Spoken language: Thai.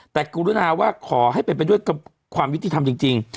แต่กรุณาว่าขอให้เป็นไปด้วยความยุติธรรมจริง